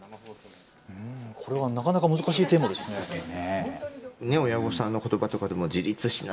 これはなかなか難しいテーマですね。